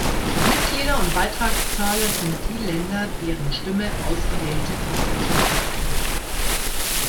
Mitglieder und Beitragszahler sind die Länder, deren Stimme ausgewählte Fachvertreter führen.